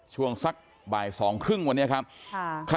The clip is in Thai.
ช่วงสักบ่ายสองครึ่งวันนี้ครับ